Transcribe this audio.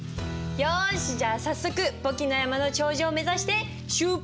よしじゃあ早速簿記の山の頂上を目指して出発！